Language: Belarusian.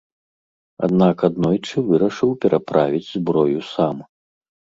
Аднак аднойчы вырашыў пераправіць зброю сам.